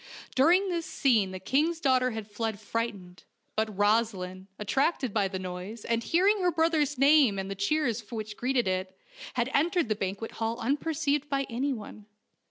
During this scene the king's daughter had fled frightened ; but Rosaleen, attracted by the noise, and hearing her brother's name and the cheers which greeted it, had entered the banquet hall unperceived by anyone.